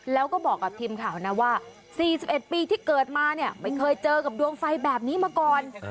แล้วก็บอกกับทีมข่าวนะว่า๔๑ปีที่เกิดมาเนี่ยไม่เคยเจอกับดวงไฟแบบนี้มาก่อน